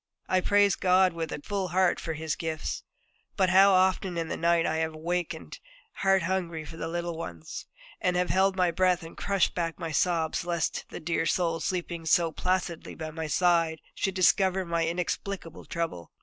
I praise God with a full heart for His gifts; but how often in the night I have wakened heart hungry for the little ones, and have held my breath and crushed back my sobs lest the dear soul sleeping so placidly by my side should discover my inexplicable trouble.